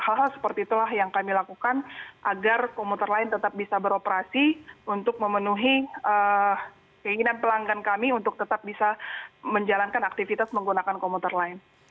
hal hal seperti itulah yang kami lakukan agar komuter lain tetap bisa beroperasi untuk memenuhi keinginan pelanggan kami untuk tetap bisa menjalankan aktivitas menggunakan komuter lain